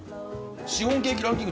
シフォンケーキランキング